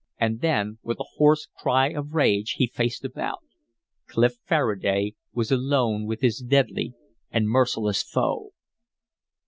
And then with a hoarse cry of rage he faced about. Clif Faraday was alone with his deadly and merciless foe!